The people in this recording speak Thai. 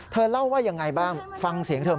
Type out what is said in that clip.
เล่าว่ายังไงบ้างฟังเสียงเธอ